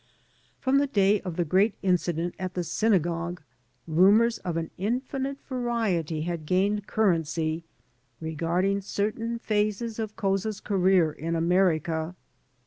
From the day of the great incident at the synagogue rumors of an infinite variety had gained currency regarding certain phases in Couza's career in America.